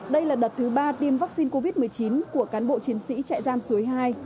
đây là đợt thứ ba tiêm vaccine covid một mươi chín của cán bộ chiến sĩ trại giam suối hai